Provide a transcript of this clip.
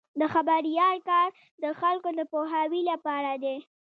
د خبریال کار د خلکو د پوهاوي لپاره دی.